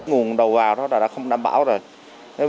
nguồn đầu vào đó là đã không đảm bảo rồi